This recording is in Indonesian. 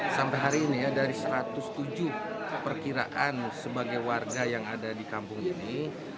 sampai hari ini ya dari satu ratus tujuh perkiraan sebagai warga yang ada di kampung ini